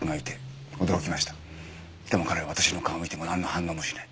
でも彼は私の顔を見てもなんの反応もしない。